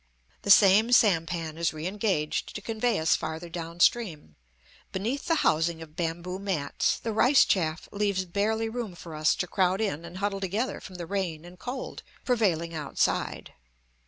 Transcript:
The same sampan is re engaged to convey us farther down stream; beneath the housing of bamboo mats, the rice chaff leaves barely room for us to crowd in and huddle together from the rain and cold prevailing outside.